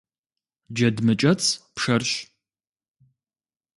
Джэд мыкӏэцӏ пшэрщ.